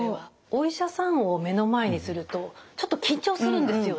お医者さんを目の前にするとちょっと緊張するんですよね。